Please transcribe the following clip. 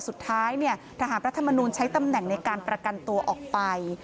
สุดท้ายทหารรัฐมนูลใช้ตำแหน่งในการประกันตัวออกไป